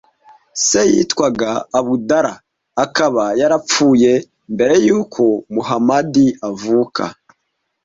Se yitwaga ʽAbd Allāh, akaba yarapfuye mbere yuko Muhamadi avuka